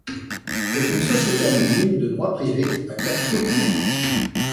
C'est une société anonyme de droit privé à capitaux publics.